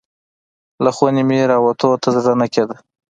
له خونې مې راوتلو ته زړه نه کیده.